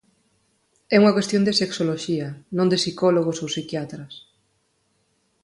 É unha cuestión de sexoloxía, non de psicólogos ou psiquiatras.